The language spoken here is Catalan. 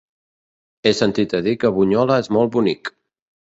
He sentit a dir que Bunyola és molt bonic.